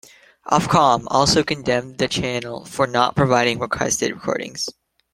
Ofcom also condemned the channel for not providing requested recordings.